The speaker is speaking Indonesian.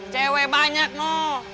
cewek banyak no